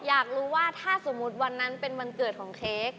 อยากรู้ว่าถ้าสมมุติวันนั้นเป็นวันเกิดของเค้ก